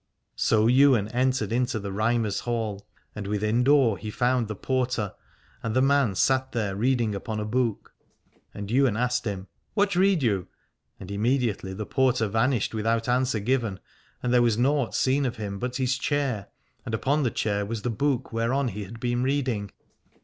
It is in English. So Ywain entered into the Rhymer's Hall, and within door he found the porter, and the man sat there reading upon a book. And Ywain asked him : What read you ? and im mediately the porter vanished without answer given, and there was nought seen of him but his chair, and upon the chair was the book whereon he had been reading.